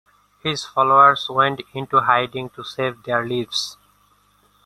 His followers went into hiding to save their lives.